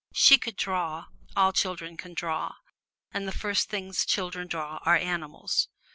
She could draw all children can draw and the first things children draw are animals.